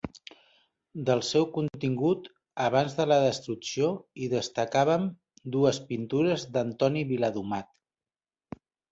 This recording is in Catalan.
Del seu contingut abans de la destrucció hi destacaven dues pintures d'Antoni Viladomat.